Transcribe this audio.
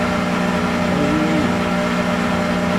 Awi ayla-w.